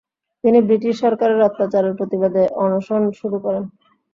তিনি ব্রিটিশ সরকারের অত্যাচারের প্রতিবাদে অনশন শুরু করেন।